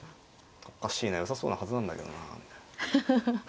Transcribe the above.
おかしいなよさそうなはずなんだけどなあみたいな。